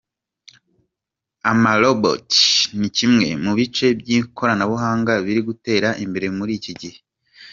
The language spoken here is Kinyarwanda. Ama robots ni kimwe mu bice by’ikoranabuhanga biri gutera imbere muri iki gihe.